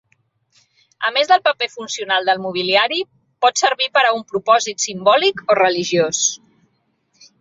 A més del paper funcional del mobiliari, pot servir per a un propòsit simbòlic o religiós.